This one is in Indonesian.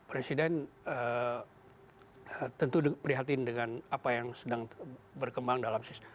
presiden tentu prihatin dengan apa yang sedang berkembang dalam sistem